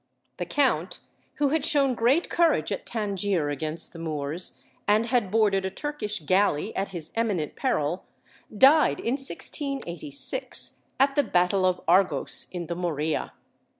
The count, who had shown great courage at Tangier against the Moors, and had boarded a Turkish galley at his eminent peril, died in 1686, at the battle of Argos in the Morea.